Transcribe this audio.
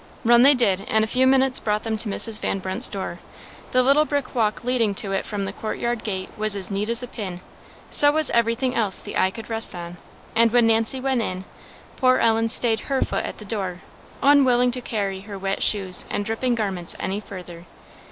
Run they did; and a few minutes brought them to Mrs. Van Brunt's door. The little brick walk leading to it from the courtyard gate was as neat as a pin; so was every thing else the eye could rest on; and when Nancy went in, poor Ellen stayed her foot at the door, unwilling to carry her wet shoes and dripping garments any further.